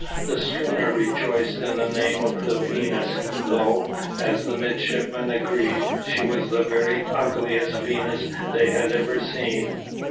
The schooner rejoiced in the name of the Venus, though, as the midshipmen agreed, she was the very ugliest Venus they had ever seen.